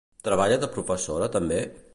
Treballa de professora també?